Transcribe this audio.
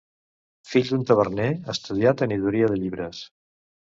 Fill d'un taverner, estudià tenidoria de llibres.